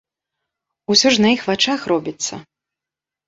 Усё ж на іх вачах робіцца.